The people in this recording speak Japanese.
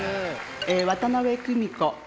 渡辺久美子